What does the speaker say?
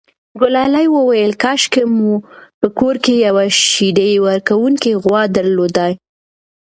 ګلالۍ وویل کاشکې مو په کور کې یوه شیدې ورکوونکې غوا درلودای.